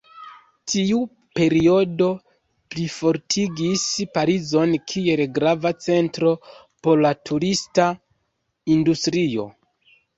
Tiu periodo plifortigis Parizon kiel grava centro por la turista industrio.